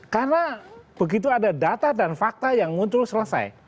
karena begitu ada data dan fakta yang muncul selesai